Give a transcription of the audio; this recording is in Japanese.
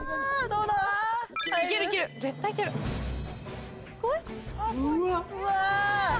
うわ！